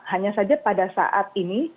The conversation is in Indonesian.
hanya saja pada saat ini